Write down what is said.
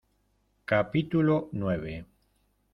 capítulo nueve.